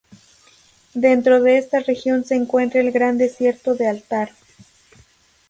Dentro de esta región se encuentra el Gran Desierto de Altar.